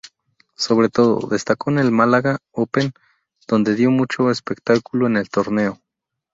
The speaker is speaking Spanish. Sobre todo, destacó en el Málaga Open donde dio mucho espectáculo en el torneo.